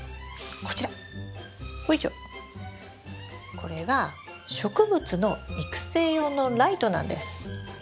これは植物の育成用のライトなんです。